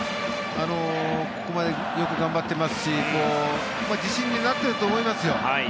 ここまでよく頑張ってますし自信になってると思いますよ。